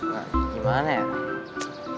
sam sam sam